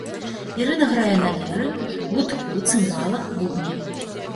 Ірына грае на ліры, гудку, цымбалах, бубне.